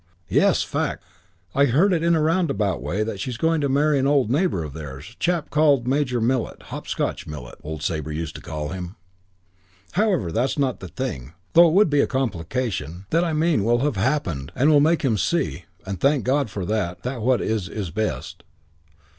Yes, fact! I heard in a roundabout way that she's going to marry an old neighbour of theirs, chap called Major Millett, Hopscotch Millett, old Sabre used to call him. However, that's not the thing though it would be a complication that I mean will have happened and will make him see, and thank God for, that what is is best.